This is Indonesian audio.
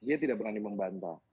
dia tidak berani membantah